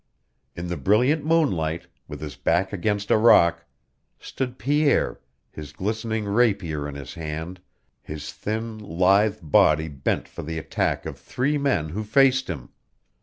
In the brilliant moonlight, with his back against a rock, stood Pierre, his glistening rapier in his hand, his thin, lithe body bent for the attack of three men who faced him.